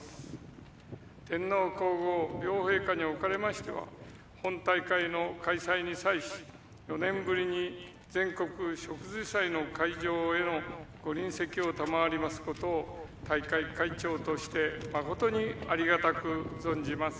天皇皇后両陛下におかれましては本大会の開催に際し４年ぶりに全国植樹祭の会場へのご臨席を賜りますことを大会会長としてまことにありがたく存じます。